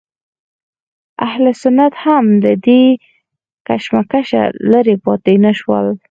اهل سنت هم له دې کشمکشه لرې پاتې نه شول.